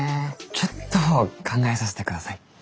ちょっと考えさせて下さい。